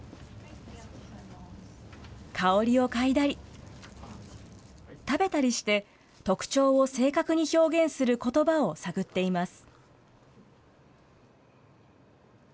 香りを嗅いだり、食べたりして、特徴を正確に表現することばを探っています。